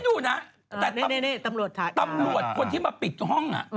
คนที่มาปิดห้องน่ะ